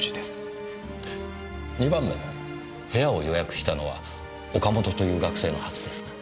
２番目の部屋を予約したのは岡本という学生のはずですが？